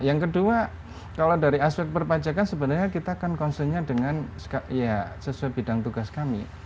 yang kedua kalau dari aspek perpajakan sebenarnya kita akan concern nya dengan sesuai bidang tugas kami